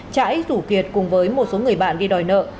trái thủ kiệt cùng với một số người bạn đi đòi nợ